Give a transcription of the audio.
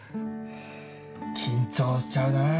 緊張しちゃうなぁ。